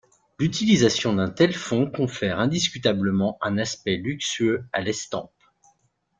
L'utilisation d'un tel fond confère indiscutablement un aspect luxueux à l'estampe.